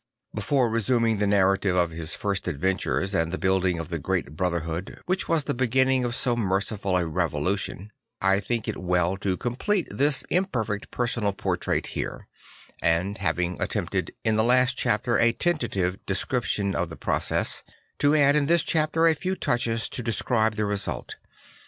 Before resuming the narrative of his first adventures, and the building of the great brother hood which was the beginning of so merciful a revolution, I think it well to complete this imper fect personal portrait here; and having attempted in the last chapter a tentative description of the process, to add in this chapter a few touches to describe the result.